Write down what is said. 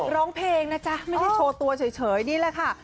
ร้องเพลงนะจ๊ะไม่ได้โชว์ตัวเฉยนี่แหละค่ะ